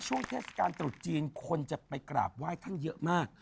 ช่วงเทศกาลตรุษจีนคนจะไปกราบไหว้ท่านเยอะมาก